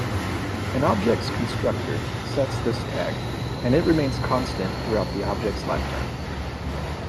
An object's constructor sets this tag, and it remains constant throughout the object's lifetime.